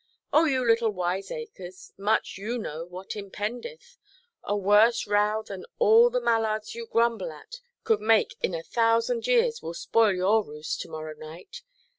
Oh you little wiseacres, much you know what impendeth! A worse row than all the mallards you grumble at could make in a thousand years will spoil your roost to–morrow night.